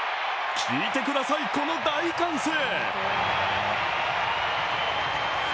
聞いてください、この大歓声。